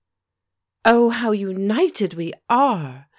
"Oh, how united we are!"